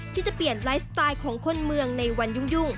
ที่จะเปลี่ยนไลฟ์สไตล์ของคนเมืองในวันยุ่ง